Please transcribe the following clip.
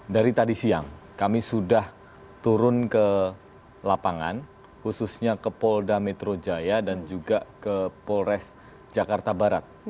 dari tadi siang kami sudah turun ke lapangan khususnya ke polda metro jaya dan juga ke polres jakarta barat